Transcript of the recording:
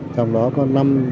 trong đó có năm kịch bản